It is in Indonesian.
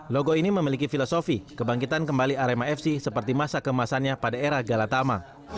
logo ini memiliki filosofi kebangkitan kembali rmafc seperti masa kemasannya pada era gala taumah